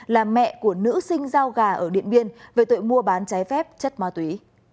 là mẹ của nữ sinh giao gà ở điện biên về tội mua bán trái phép chất ma túy